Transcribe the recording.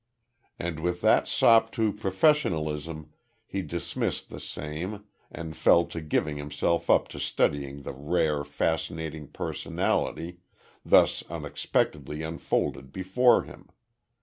And with that sop to professionalism he dismissed the same, and fell to giving himself up to studying the rare, fascinating personality, thus unexpectedly unfolded before him.